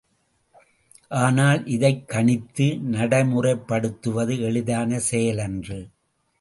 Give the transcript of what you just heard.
ஆனால் இதைக் கணித்து நடைமுறைப்படுத்துவது, எளிதான செயலன்று.